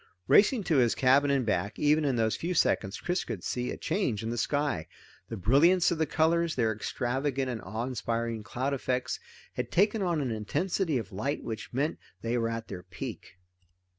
Racing to his cabin and back, even in those few seconds Chris could see a change in the sky. The brilliance of the colors, their extravagant and awe inspiring cloud effects, had taken on an intensity of light which meant they were at their peak.